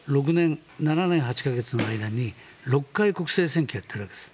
７年８か月の間に６回、国政選挙をやっているわけです。